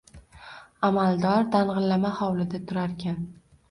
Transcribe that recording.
Amaldor dang`illama hovlida turarkan